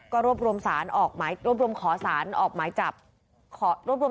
ก็รวบรวมสารออกหมายรวบรวมขอสารออกหมายจับขอรวบรวม